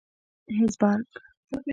هېزبرګ.